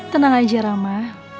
tenang aja rama